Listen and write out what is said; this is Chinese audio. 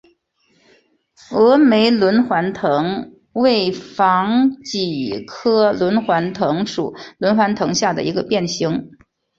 峨眉轮环藤为防己科轮环藤属轮环藤下的一个变型。